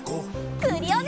クリオネ！